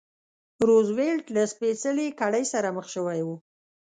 روزولټ له سپېڅلې کړۍ سره مخ شوی و.